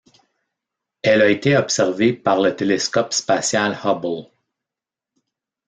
Elle a été observée par le télescope spatial Hubble.